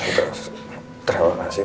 tante terima kasih